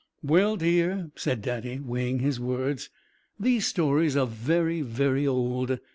"Well, dear," said Daddy, weighing his words, "these stories are very, very old.